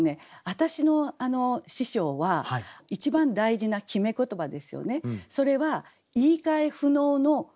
私の師匠は一番大事な決め言葉ですよね。